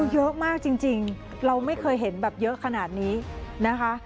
เยอะมากจริงเราไม่เคยเห็นแบบเยอะขนาดนี้นะคะ